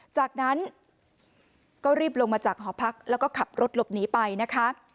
จากนั้นก็รีบลงมาจากหอพักแล้วก็ขับรถหลบหนีไปนะคะ